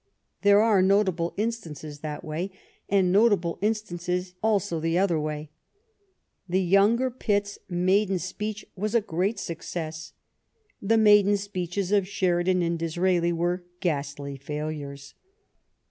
There are notable instances that way, and notable instances also the other way. The younger Pitt s maiden speech was a great success. The maiden speeches of Sheridan and Disraeli were ghastly failures.